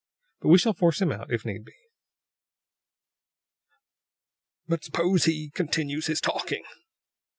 But we shall force him out, if need be." "But suppose he continues his talking?"